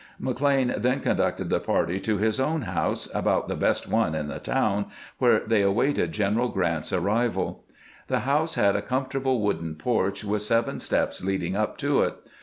McLean then conducted the party to his own house, about the best one in the town, where they awaited General Grant's arrival. The house had a comfortable wooden porch with seven steps leading up to it.